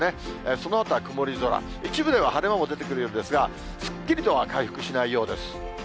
そのあとは曇り空、一部では晴れ間も出てくるようですが、すっきりとは回復しないようです。